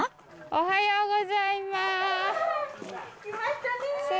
おはようございます。